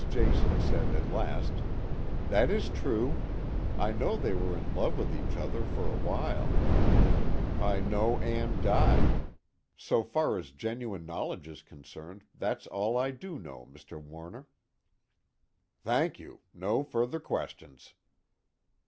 Jason said at last: "That is true. I know they were in love with each other for a while; I know Ann died. So far as genuine knowledge is concerned, that's all I do know, Mr. Warner." "Thank you. No further questions."